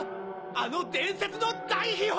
あの伝説の大秘宝！